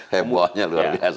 hembohnya luar biasa